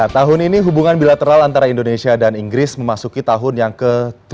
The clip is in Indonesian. tahun ini hubungan bilateral antara indonesia dan inggris memasuki tahun yang ke tujuh puluh